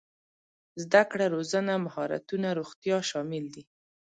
زده کړه روزنه مهارتونه روغتيا شامل دي.